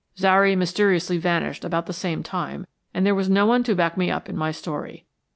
Zary mysteriously vanished about the same time, and there was no one to back me up in my story.